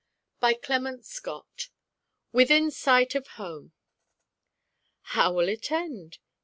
BY CLEMENT SCOTT. "within sight of home." " How will it end